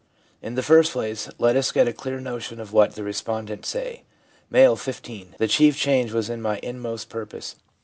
In the first place, let us get a clear notion of what the respondents say. M., 15. ' The chief change was in my inmost purpose.